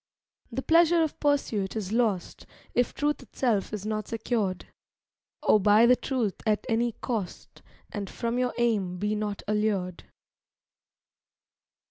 The pleasure of pursuit is lost If truth itself is not secured. O buy the truth at any cost, And from your aim be not allured!